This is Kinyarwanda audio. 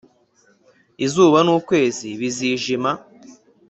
Izuba n’ukwezi bizijima,